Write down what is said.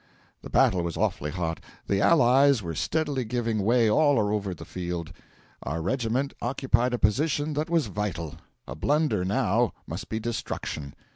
The battle was awfully hot; the allies were steadily giving way all over the field. Our regiment occupied a position that was vital; a blunder now must be destruction.